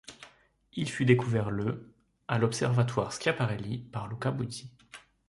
Il fut découvert le à l'Observatoire Schiaparelli par Luca Buzzi.